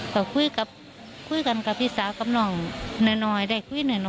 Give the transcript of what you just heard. ก็คุยกับพี่สาวกับน้องหน่อยคุยหน่อย